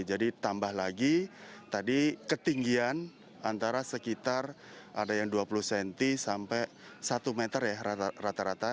jadi tambah lagi tadi ketinggian antara sekitar ada yang dua puluh cm sampai satu meter ya rata rata